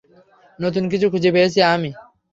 নতুন কিছু খুঁজে পেয়েছি আমি।